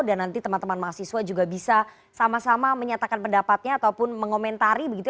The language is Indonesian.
dan nanti teman teman mahasiswa juga bisa sama sama menyatakan pendapatnya ataupun mengomentari begitu